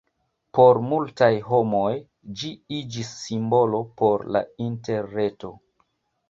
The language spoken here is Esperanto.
Por multaj homoj ĝi iĝis simbolo por la Interreto.